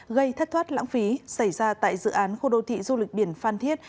gây thất thoát lãng phí xảy ra tại dự án khu đô thị du lịch biển phan thiết